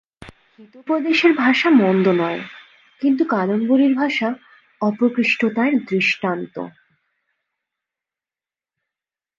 হিতোপদেশের ভাষা মন্দ নয়, কিন্তু কাদম্বরীর ভাষা অপকৃষ্টতার দৃষ্টান্ত।